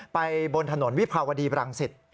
บนถนนวิภาวดีบรังสิต